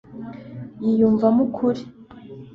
yiyumvamo ukuri